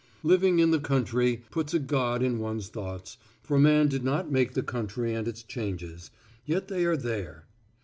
Living in the country puts a God in one's thoughts, for man did not make the country and its changes, yet they are there.